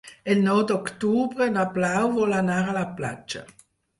El nou d'octubre na Blau vol anar a la platja.